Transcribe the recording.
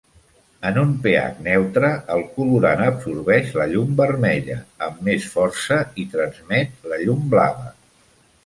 En un pH neutre, el colorant absorbeix la llum vermella amb més força i transmet la llum blava.